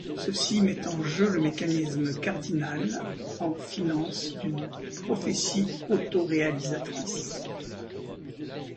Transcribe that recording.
Ceci met en jeu le mécanisme cardinal en finance d'une prophétie auto-réalisatrice.